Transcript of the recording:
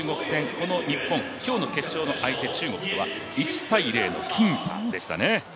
この日本、今日の決勝の中国とは僅差でしたね。